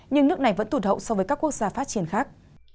nhưng nước này vẫn tụt hậu so với các quốc gia phát triển khác